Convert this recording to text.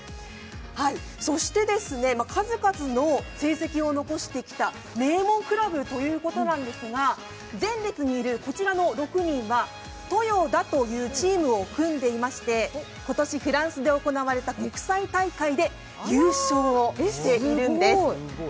そして、数々の成績を残してきた名門クラブということなんですが前列にいるこちらの６人はＴＯＹＯＤＡというチームを組んでいまして今年フランスで行われた国際大会で優勝しているんです。